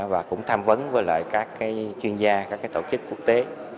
và cũng tham vấn với lại các chuyên gia các tổ chức quốc tế